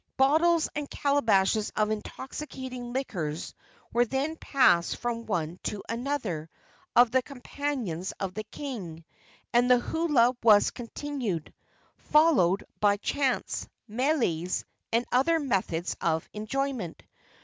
Bottles and calabashes of intoxicating liquors were then passed from one to another of the companions of the king, and the hula was continued, followed by chants, meles and other methods of enjoyment.